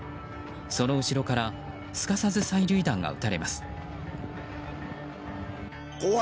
その後ろからすかさず催涙弾が撃たれます。